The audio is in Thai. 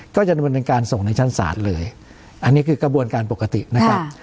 ก็จะดำเนินการส่งในชั้นศาลเลยอันนี้คือกระบวนการปกตินะครับ